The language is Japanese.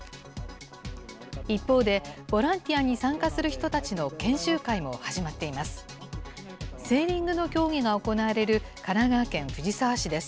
一方で、ボランティアに参加する人たちの研修会も始まっています。